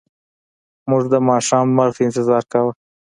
موږ د ماښام لمر ته انتظار کاوه.